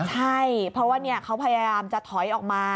ใช่เพราะว่าเขาพยายามจะถอยออกมา